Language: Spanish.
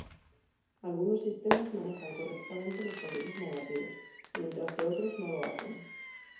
Algunos sistemas manejan correctamente los valores negativos, mientras que otros no lo hacen.